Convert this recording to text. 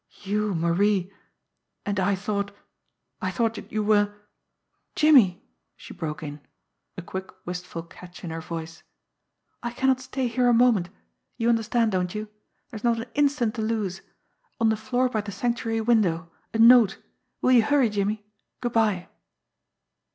"You, Marie and I thought I thought that you were " "Jimmie," she broke in, a quick, wistful catch in her voice, "I cannot stay here a moment you understand, don't you? There is not an instant to lose on the floor by the Sanctuary window a note will you hurry, Jimmie good bye."